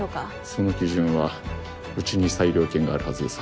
その基準はウチに裁量権があるはずですが。